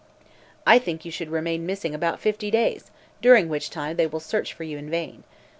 "I think you should remain missing about fifty days, during which time they will search for you in vain.